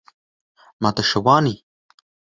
Ma tu şivan î?